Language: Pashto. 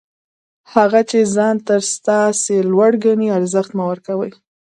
هغه چي ځان تر تاسي لوړ ګڼي، ارزښت مه ورکوئ!